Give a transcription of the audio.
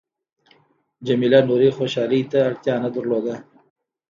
جميله نورې خوشحالۍ ته اړتیا نه درلوده.